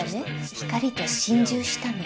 光と心中したの。